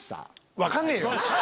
分かんねえよ！